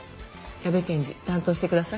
矢部検事担当してください。